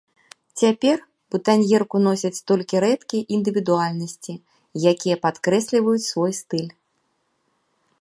Цяпер бутаньерку носяць толькі рэдкія індывідуальнасці, якія падкрэсліваюць свой стыль.